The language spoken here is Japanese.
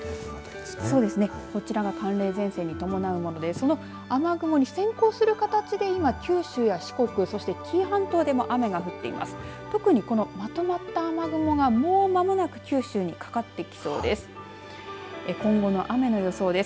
こちらが寒冷前線に伴うものでその雨雲に先行する形で今、九州や四国そして紀伊半島でも雨が降っています。